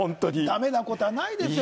だめなことはないですよ。